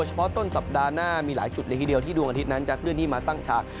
เฉพาะต้นสัปดาห์หน้ามีหลายจุดเลยทีเดียวที่ดวงอาทิตย์นั้นจะเคลื่อนที่มาตั้งฉาก